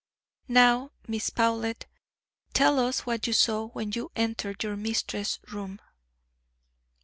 "Now, Miss Powlett, tell us what you saw when you entered your mistress's room."